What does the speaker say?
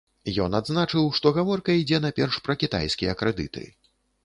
Ён адзначыў, што гаворка ідзе найперш пра кітайскія крэдыты.